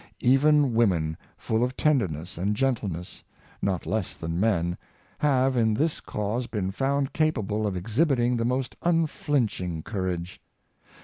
Even women, full of tenderness and gentleness, not less than men, have in this cause been found capable of exhibiting the most unflinching courage.